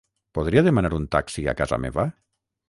Podria demanar un taxi a casa meva?